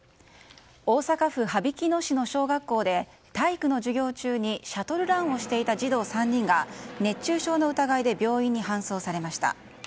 大阪府羽曳野市の小学校で体育の授業中にシャトルランの授業をしていた児童３人が熱中症の疑いで病院に搬送されました。